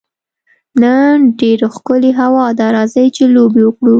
نن ډېره ښکلې هوا ده، راځئ چي لوبي وکړو.